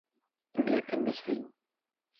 Mi atendas vin.